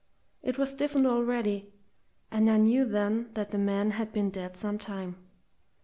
It was stiffened already, and I knew then that the man had been dead some time.